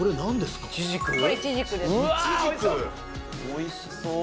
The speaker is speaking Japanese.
おいしそう。